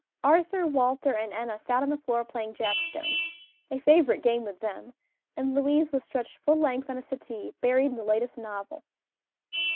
Arthur, Walter and Enna sat on the floor playing jack stones a favorite game with them and Louise was stretched full length on a settee, buried in the latest novel.